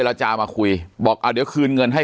ปากกับภาคภูมิ